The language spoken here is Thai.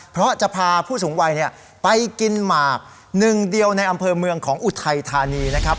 เพราะจะพาผู้สูงวัยไปกินหมากหนึ่งเดียวในอำเภอเมืองของอุทัยธานีนะครับ